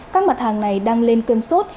các mặt hàng này đang lên cân sốt